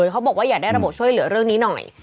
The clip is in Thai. เขาบอกว่าอยากได้ระบบช่วยเหลือเรื่องนี้หน่อย